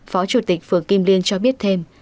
phó chủ tịch phường kim liên cho biết thêm